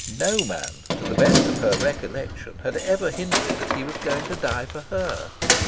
No man, to the best of her recollection, had ever hinted that he was going to die for her.